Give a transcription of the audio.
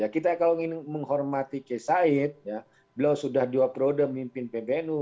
kita kalau ingin menghormati qisayid beliau sudah dua periode pemimpin pbnu